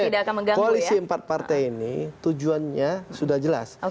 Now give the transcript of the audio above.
karena prinsipnya koalisi empat partai ini tujuannya sudah jelas